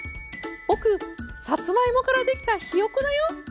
僕さつまいもからできたひよこだよ」。